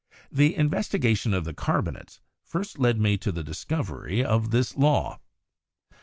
The investigation of the carbonates first led me to the discovery of this law."